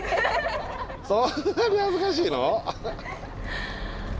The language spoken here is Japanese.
そんなに恥ずかしいの？